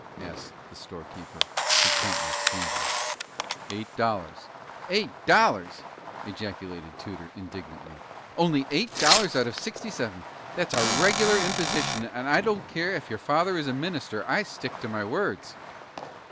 asked the storekeeper, his countenance changing. "Eight dollars." "Eight dollars!" ejaculated Tudor, indignantly. "Only eight dollars out of sixty seven! That's a regular imposition, and I don't care ef your father is a minister, I stick to my words."